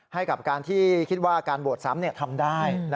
ให้กับการที่คิดว่าการโหวตซ้ำทำได้